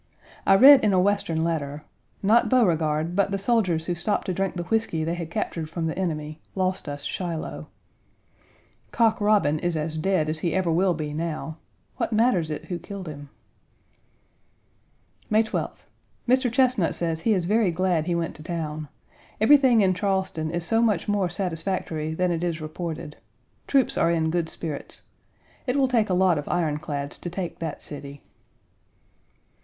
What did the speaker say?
I read in a Western letter, "Not Beauregard, but the soldiers who stopped to drink the whisky they had captured from the enemy, lost us Shiloh." Cock Robin is as dead as he ever will be now; what matters it who killed him? May 12th. Mr. Chesnut says he is very glad he went to town. Everything in Charleston is so much more satisfactory than it is reported. Troops are in good spirits. It will take a lot of iron clads to take that city.